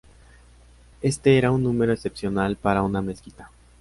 Este era un número excepcional para una mezquita.